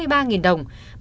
bà khẳng định không thực hiện